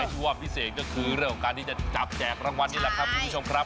ที่ว่าพิเศษก็คือเรื่องของการที่จะจับแจกรางวัลนี่แหละครับคุณผู้ชมครับ